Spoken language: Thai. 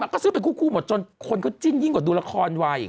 ก็ซื้อเป็นคู่หมดจนคนเขาจิ้นยิ่งกว่าดูละครวัย